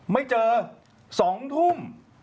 ไม่เจอสองทุ่ม